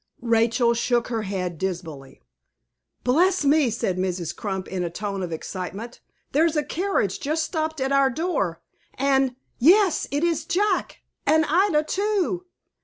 Rachel shook her head dismally. "Bless me!" said Mrs. Crump, in a tone of excitement; "there's a carriage just stopped at our door, and yes, it is Jack, and Ida too!"